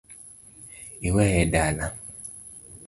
Iweye dala?